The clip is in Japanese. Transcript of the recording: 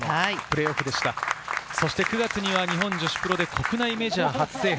そして９月には日本女子プロで国内メジャー初制覇。